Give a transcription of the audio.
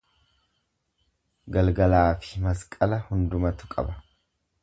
Galgalaafi masqala hundumatu qaba.